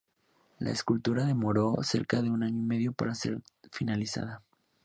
La escultura demoró cerca de un año y medio para ser finalizada.